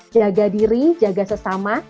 jaga diri jaga sesama